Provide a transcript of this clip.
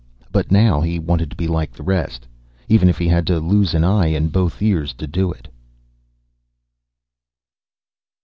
But now, he wanted to be like the rest even if he had to lose an eye and both ears to do it.